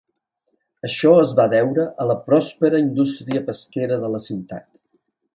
Això es va deure a la pròspera indústria pesquera de la ciutat.